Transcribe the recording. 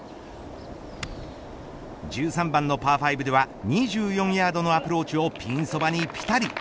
１３番のパー５では２４ヤードのアプローチをピンそばにぴたり。